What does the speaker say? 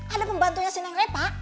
ada pembantunya si neng repa